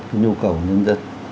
cái nhu cầu của nhân dân